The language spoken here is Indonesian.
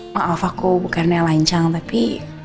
maaf aku bukan nyalancang tapi